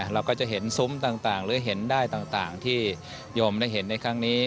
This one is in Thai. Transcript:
เราก็จะเห็นซุ้มต่างหรือเห็นได้ต่างที่โยมได้เห็นในครั้งนี้